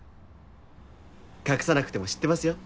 隠さなくても知ってますよ。